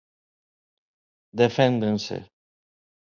Deféndese.